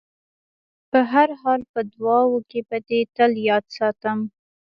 په هر حال په دعاوو کې به دې تل یاد ساتم.